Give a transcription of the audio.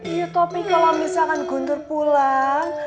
iya tapi kalau misalkan guntur pulang